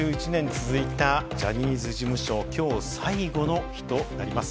６１年続いたジャニーズ事務所が、きょう最後の日となります。